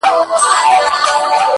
شراب لس خُمه راکړه؛ غم په سېلاب راکه؛